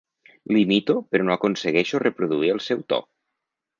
L'imito però no aconsegueixo reproduir el seu to.